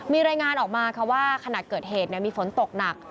มีรายงานออกมาค่ะว่าขณะเกิดเหตุมีฝนตกหนัก